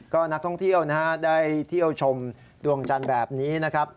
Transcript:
ก็นักท่องเที่ยวนะฮะได้เที่ยวชมดวงจันทร์แบบนี้นะครับ